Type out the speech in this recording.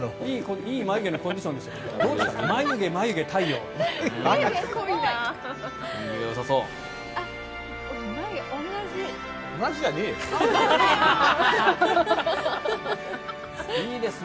いい眉毛のコンディションですよ。